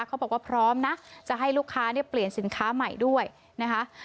เขาบอกว่าพร้อมนะจะให้ลูกค้าเนี่ยเปลี่ยนสินค้าใหม่ด้วยนะคะ